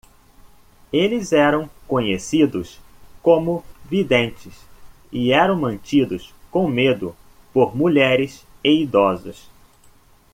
Eles eram conhecidos como videntes? e eram mantidos com medo por mulheres e idosos.